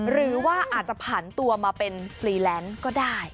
หรือว่าอาจจะผันตัวมาเป็นฟรีแลนซ์ก็ได้